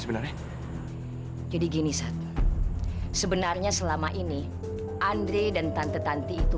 sebenarnya jadi gini satu sebenarnya selama ini andre dan tante tante itu